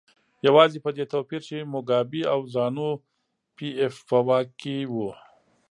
یوازې په دې توپیر چې موګابي او زانو پي ایف په واک کې وو.